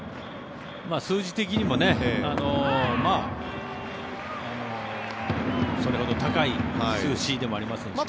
数字的にもそれほど高い数字でもありませんしね。